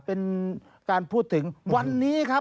เป็นการพูดถึงวันนี้ครับ